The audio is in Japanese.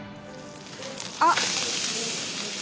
あっ！